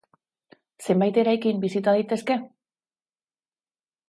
Zenbait eraikin bisita daitezke?